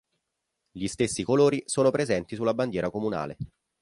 Gli stessi colori sono presenti sulla bandiera comunale.